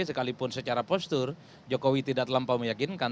sekalipun secara postur jokowi tidak terlampau meyakinkan